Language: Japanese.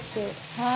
はい。